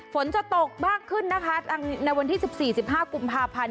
ฝนจะตกมากขึ้นนะคะในวันที่๑๔๑๕กุมภาพันธ์